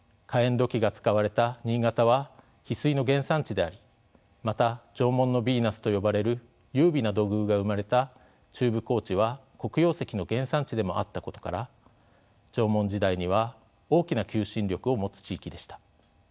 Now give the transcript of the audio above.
土器が使われた新潟は翡翠の原産地でありまた「縄文のビーナス」と呼ばれる優美な土偶が生まれた中部高地は黒曜石の原産地でもあったことから縄文時代には大きな求心力を持つ地域でした。